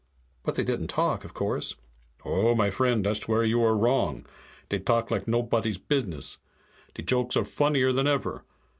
"But they didn't talk, of course?" "Oh, my vriend, dat's where you are wrong. Dey talk like nobotty's business. De jokes are funnier than ever.